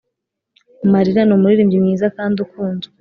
Marina ni umuririmbyi mwiza kandi ukunzwe